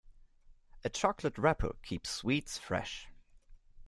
A chocolate wrapper keeps sweets fresh.